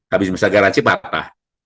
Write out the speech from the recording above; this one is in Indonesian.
habis masa garansi patah